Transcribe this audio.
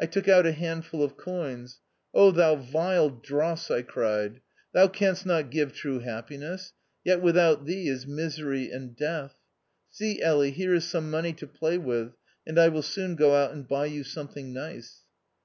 I took out a handful of coins. " thou vile dross !" I cried, " thou canst not give true happiness, yet without thee is misery and death. See, Elly, here is some money to play with, and I will soon go out and buy you something nice."